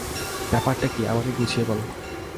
ব্যাপারটা কী, আমাকে গুছিয়ে বল।